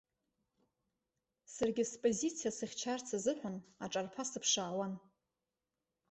Саргьы спозициа сыхьчарц азыҳәан аҿарԥа сыԥшаауан.